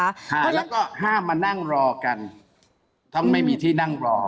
แล้วก็ห้ามมานั่งรอกันทั้งไม่มีที่นั่งรอ